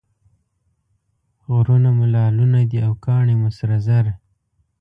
غرونه مو لعلونه دي او کاڼي مو سره زر.